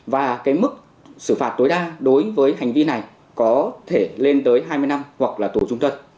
và cái mức xử phạt tối đa đối với hành vi này có thể lên tới hai mươi năm hoặc là tù trung thân